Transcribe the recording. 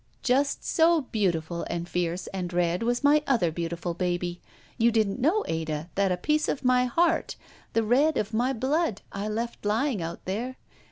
"Just so beautiful and fierce and red was my other beautiful baby. You didn't know, Ada, that a piece of my heart, the red of my blood, I left lying out there.